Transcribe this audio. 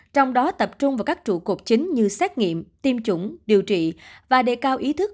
trong đó tập trung vào các trụ cột chính như xét nghiệm tiêm chủng điều trị và đề cao ý thức